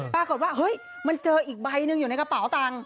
ปรากฏว่าเฮ้ยมันเจออีกใบหนึ่งอยู่ในกระเป๋าตังค์